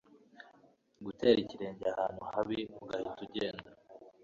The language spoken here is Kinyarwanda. gutera ikirenge ahantu habi ugahita ugenda,